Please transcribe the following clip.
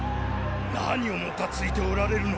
何をもたついておられるのか。